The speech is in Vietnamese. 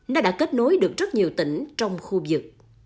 nó đã kết nối được rất nhiều tỉnh trong khu vực